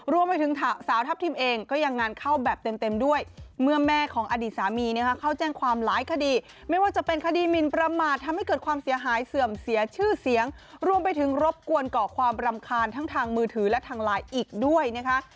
รวมไปถึงสาวทัพทิมเองก็ยังงานเข้าแบบเต็มด้วยเมื่อแม่ของอดีตสามีเข้าแจ้งความหลายคดีไม่ว่าจะเป็นคดีหมินประมาททำให้เกิดความเสียหายเสื่อมเสียชื่อเสียงรวมไปถึงรบกวนก่อความรำคาญทั้งทางมือถือและทางไลน์อีกด้วยนะคะ